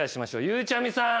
ゆうちゃみさん。